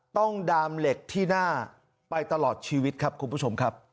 ต้องดามเหล็กที่หน้าไปตลอดชีวิตครับคุณผู้ชมครับ